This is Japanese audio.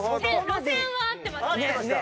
路線は合ってますね。